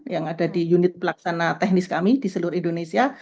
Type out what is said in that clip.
yang ada di unit pelaksana teknis kami di seluruh indonesia